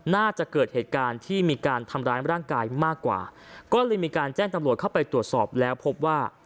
น่าจะเกิดเหตุการณ์ที่มีการทำร้ายร่างกายมากกว่าก็เลยมีการแจ้งตำรวจเข้าไปตรวจสอบแล้วพบว่า